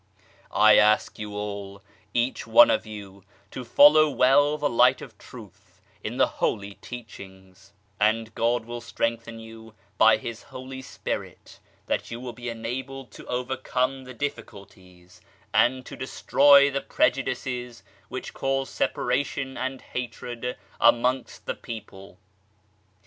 I ask you all, each one of you, to follow well the Light of Truth in the Holy Teachings, and God will strengthen you by His Holy Spirit so that you will be enabled to overcome the difficulties, and to destroy PITIFUL CAUSES OF WAR 23 the prejudices which cause separation and hatred amongst the people.